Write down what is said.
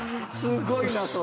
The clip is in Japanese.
すごいな！